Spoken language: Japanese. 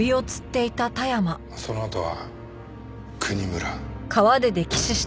そのあとは国村。